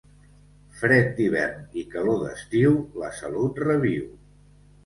Fred d'hivern i calor d'estiu, la salut reviu.